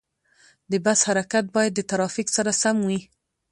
د بس حرکت باید د ترافیک سره سم وي.